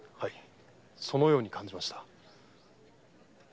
そのように感じました。